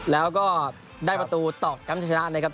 แล้วก็ได้ประตูตอกย้ำจะชนะนะครับ